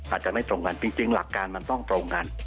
อาจจะไม่ตรงกันจริงหลักการมันต้องตรงกัน